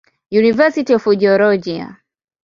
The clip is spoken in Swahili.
University of Georgia.